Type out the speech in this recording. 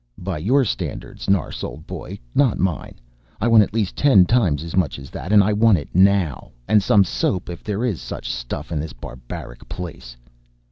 "By your standards, Nars old boy, not mine. I want at least ten times as much as that and I want it now. And some soap, if there is such stuff in this barbaric place."